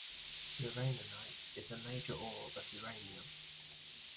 Uraninite is a major ore of uranium.